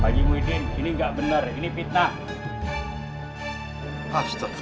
pagi muidin ini enggak bener ini fitnah